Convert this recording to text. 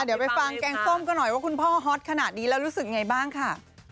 เดี๋ยวไปฟังแกงส้มกันหน่อยว่าคุณพ่อฮอตขนาดนี้แล้วรู้สึกไงบ้างค่ะ